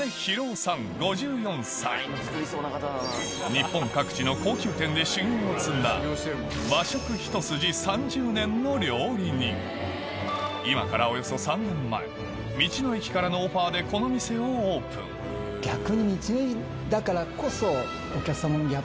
日本各地のを積んだの料理人今からおよそ３年前道の駅からのオファーでこの店をオープン逆に。